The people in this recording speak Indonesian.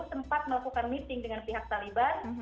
sempat melakukan meeting dengan pihak taliban